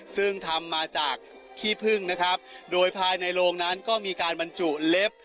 ซึ่งทำมาจากขี้พึ่งนะครับโดยภายในโรงนั้นก็มีการบรรจุเล็บ